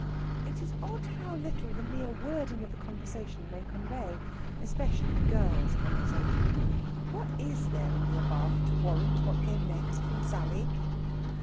It is odd how little the mere wording of a conversation may convey, especially girl's conversation. What is there in the above to warrant what came next from Sally?